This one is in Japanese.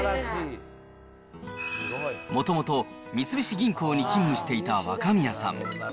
もともと三菱銀行に勤務していた若宮さん。